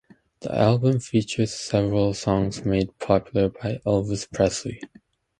The album features several songs made popular by Elvis Presley.